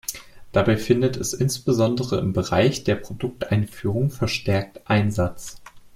Dabei findet es insbesondere im Bereich der Produkteinführung verstärkt Einsatz.